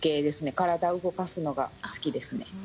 体を動かすのが好きですね。